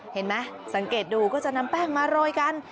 เห็นไหมสังเกตดูก็จะนำแป้งมาโรยกัน